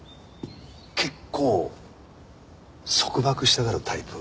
結構束縛したがるタイプ？